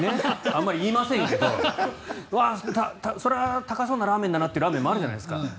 あんまり言いませんけどそれは高そうなラーメンだなってラーメンもあるじゃないですか。